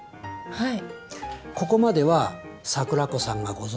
はい。